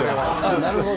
なるほど。